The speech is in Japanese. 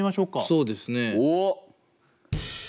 そうですね。